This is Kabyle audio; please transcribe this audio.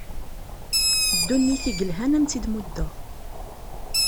Ddunit i yelhan ad am-tt-id muddeɣ.